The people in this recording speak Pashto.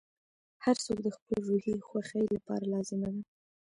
• هر څوک د خپل روحي خوښۍ لپاره لازمه ده.